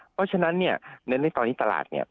เพราะฉะนั้นเนี่ยเน้นในตอนนี้ตลาดเนี่ย